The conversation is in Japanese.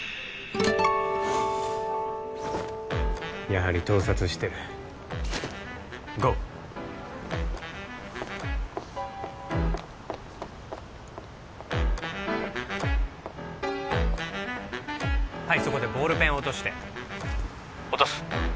やはり盗撮してるゴーはいそこでボールペン落として落とす